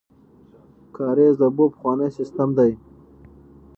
کاریز د اوبو پخوانی سیستم دی